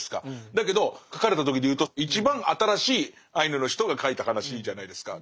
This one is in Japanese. だけど書かれた時でいうと一番新しいアイヌの人が書いた話じゃないですか。